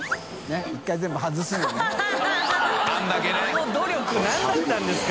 あの努力何だったんですか